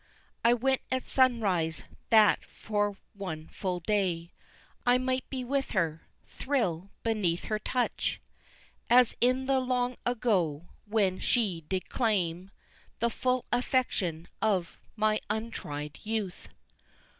I went at sunrise that for one full day I might be with her, thrill beneath her touch As in the long ago when she did claim The full affection of my untried youth.